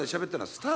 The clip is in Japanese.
スター！？